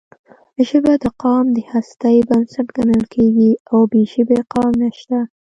ژبه د قام د هستۍ بنسټ ګڼل کېږي او بې ژبې قام نشته.